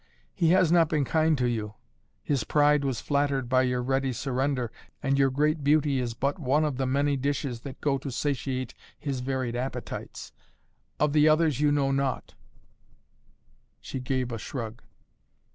"He has not been kind to you. His pride was flattered by your ready surrender, and your great beauty is but one of the many dishes that go to satiate his varied appetites. Of the others you know naught " She gave a shrug.